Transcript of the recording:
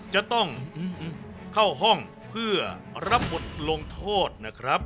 จะต้องเข้าห้องเพื่อรับบทลงโทษนะครับ